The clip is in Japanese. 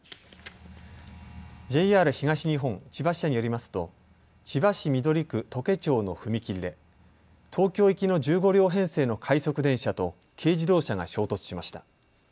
ＪＲ東日本千葉支社によりますと千葉市緑区土気町の踏切で東京行きの１５両編成の快速電車と軽自動車が衝突しました。